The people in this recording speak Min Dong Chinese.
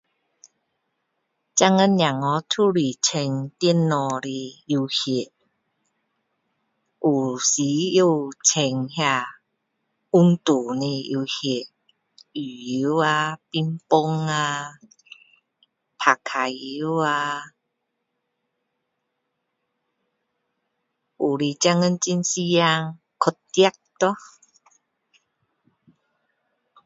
现今孩子都是玩电脑的游戏有时也有玩那个运动的游戏羽球啊乒乓啊打足球啊有些现今很流行去跑咯